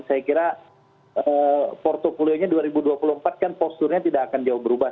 saya kira portofolio nya dua ribu dua puluh empat kan posturnya tidak akan jauh berubah